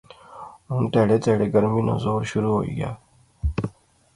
ہُن تیہڑے تیہڑے گرمی نا زور شروع ہوئی غیا